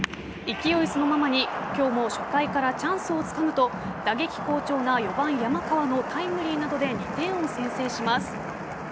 勢いそのままに今日も初回からチャンスを掴むと打撃好調な４番・山川のタイムリーなどで２点を先制します。